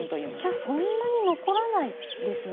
じゃあそんなに残らないですね。